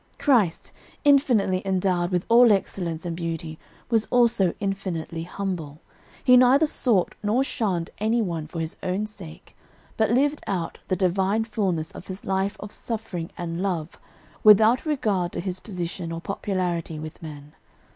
Christ, infinitely endowed with all excellence and beauty, was also infinitely humble. He neither sought nor shunned any one for His own sake, but lived out the divine fullness of His life of suffering and love without regard to His position or popularity with men.